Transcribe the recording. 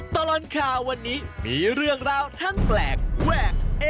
ตลอดข่าววันนี้มีเรื่องราวทั้งแปลกแวกเอ๊